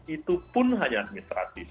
itu pun hanya administratif